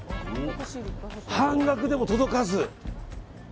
半額でも届かず。